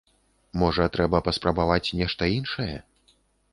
Можа, трэба паспрабаваць нешта іншае.